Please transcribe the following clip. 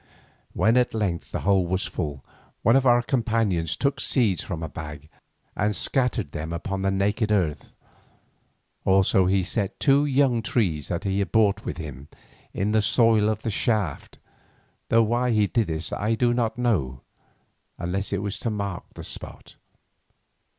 When at length the hole was full, one of our companions took seeds from a bag and scattered them on the naked earth, also he set two young trees that he had brought with him in the soil of the shaft, though why he did this I do not know, unless it was to mark the spot.